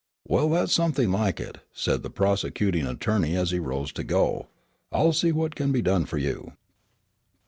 "Well, that's something like it," said the prosecuting attorney as he rose to go. "I'll see what can be done for you."